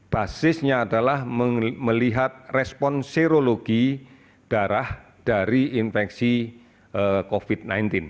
basisnya adalah melihat respon serologi darah dari infeksi covid sembilan belas